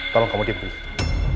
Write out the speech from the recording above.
tolong kamu dimulai